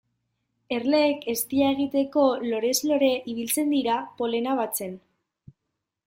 Erleek eztia egiteko lorez lore ibiltzen dira polena batzen.